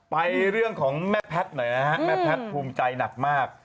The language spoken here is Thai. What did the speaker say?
ไปเรื่องของแม่แพทย์หน่อยนะฮะแม่แพทย์ภูมิใจหนักมาก